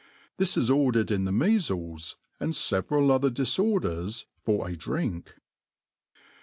This is ordered in the meafles, and (eveial other di(^ orders, for a drink.